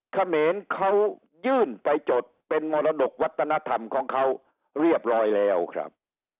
เขมรเขายื่นไปจดเป็นมรดกวัฒนธรรมของเขาเรียบร้อยแล้วครับ